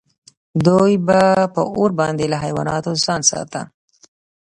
دوی به په اور باندې له حیواناتو ځان ساته.